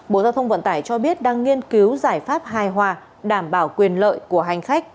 bộ giao thông vận tải cho biết đang nghiên cứu giải pháp hài hòa đảm bảo quyền lợi của hành khách